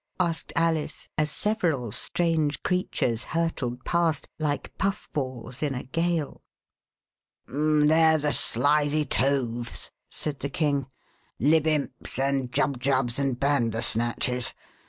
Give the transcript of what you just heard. asked Alice, as several strange creatures hurtled past, like puff balls in a gale. 6i The Westminster Alice " They're the Slithy Toves," said the King, " Libimps and Jubjubs and Bandersnatches.